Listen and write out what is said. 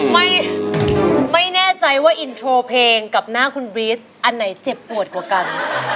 ไม่แน่ใจว่าอินโทรเพลงกับหน้าคุณบรีสอันไหนเจ็บปวดกว่ากัน